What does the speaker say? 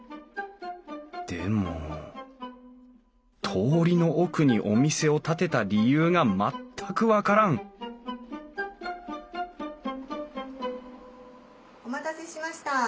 でも通りの奥にお店を建てた理由が全く分からんお待たせしました。